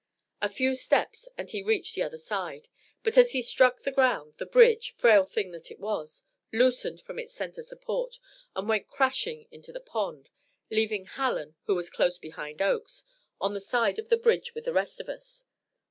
A few steps, and he reached the other side, but as he struck the ground, the bridge frail thing that it was loosened from its centre support and went crashing into the pond, leaving Hallen, who was close behind Oakes, on this side of the bridge with the rest of us.